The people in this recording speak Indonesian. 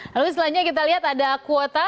lalu selanjutnya kita lihat ada kuota